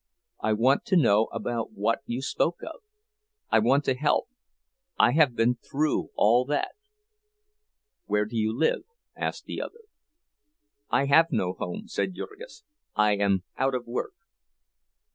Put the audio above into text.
I want to know about what you spoke of—I want to help. I have been through all that." "Where do you live?" asked the other. "I have no home," said Jurgis, "I am out of work."